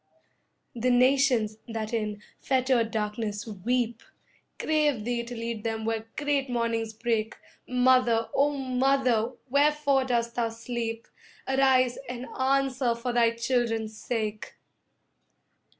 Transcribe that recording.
The nations that in fettered darkness weep Crave thee to lead them where great mornings break .... Mother, O Mother, wherefore dost thou sleep? Arise and answer for thy children's sake!